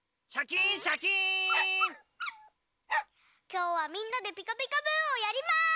きょうはみんなで「ピカピカブ！」をやります！